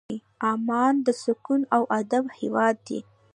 عمان د سکون او ادب هېواد دی.